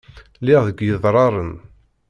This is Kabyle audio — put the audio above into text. Lliɣ deg yedraren.